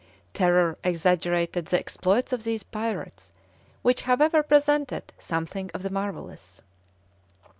Terror exaggerated the exploits of these pirates, which however presented something of the marvellous.